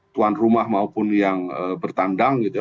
tuan rumah maupun yang bertandang gitu ya